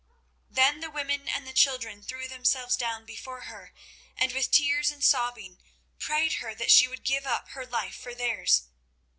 Then the women and the children threw themselves down before her, and with tears and sobbing prayed her that she would give up her life for theirs.